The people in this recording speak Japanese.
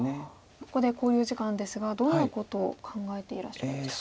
ここで考慮時間ですがどんなことを考えていらっしゃるんですか。